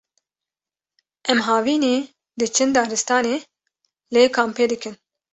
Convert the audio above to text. em havînî diçin daristanê lê kampê dikin